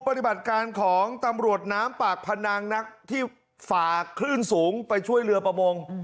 ปฏิบัติการของตำรวจน้ำปากพนังนักที่ฝ่าคลื่นสูงไปช่วยเรือประมง